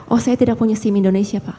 oh saya tidak punya sim indonesia pak